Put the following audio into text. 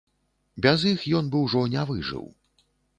Без іх ён бы ўжо не выжыў.